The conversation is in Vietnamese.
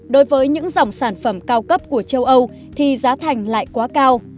đối với những dòng sản phẩm cao cấp của châu âu thì giá thành lại quá cao